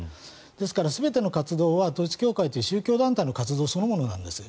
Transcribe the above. ですから全ての活動は統一教会という宗教団体の活動そのものなんです。